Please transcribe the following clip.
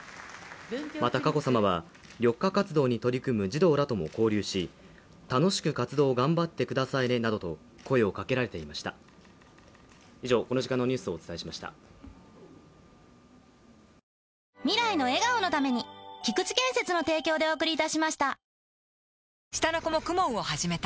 また、佳子さまは、緑化活動に取り組む児童らとも交流し、楽しく活動を頑張ってくださいねなどと下の子も ＫＵＭＯＮ を始めた